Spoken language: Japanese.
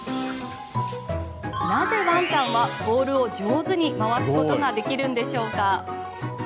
なぜ、ワンちゃんはボウルを上手に回すことができるんでしょうか。